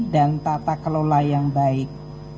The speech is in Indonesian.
dan tata kelola yang baik